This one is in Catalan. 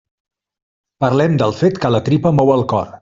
Parlem del fet que la tripa mou el cor.